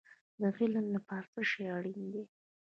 د علم لپاره څه شی اړین دی؟